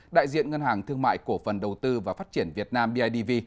đại diện ngân hàng thương mại cổ phần đầu tư và phát triển việt nam bidv